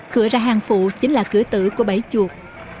cửa ra hàng phụ chính là cửa tử của bảy chuột